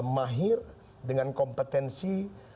mahir dengan kompetensi